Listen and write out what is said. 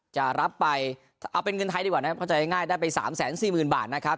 จะรับไปเอาเป็นเงินไทยดีกว่านะครับเข้าใจง่ายได้ไป๓๔๐๐๐บาทนะครับ